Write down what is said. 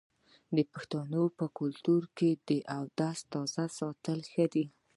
د پښتنو په کلتور کې د اودس تازه ساتل ښه دي.